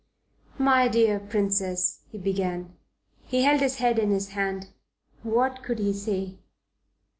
"My dear Princess," he began. He held his head in his hand. What could he say?